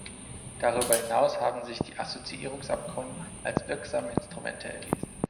Darüber hinaus haben sich die Assoziierungsabkommen als wirksame Instrumente erwiesen.